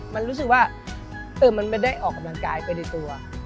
มันรู้สึกว่ามันไม่ได้ออกกำลังกายไปในตัว